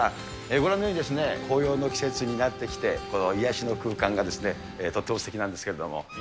ご覧のようにですね、紅葉季節になってきて、この癒やしの空間がとってもすてきなんですけれども。